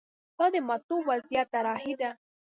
دا د مطلوب وضعیت طراحي ده.